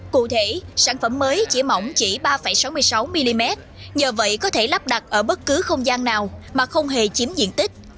cụ thể sản phẩm mới chỉ mỏng chỉ ba sáu mươi sáu mm nhờ vậy có thể lắp đặt ở bất cứ không gian nào mà không hề chiếm diện tích